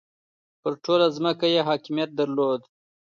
پر ټوله ځمکه یې حاکمیت درلود.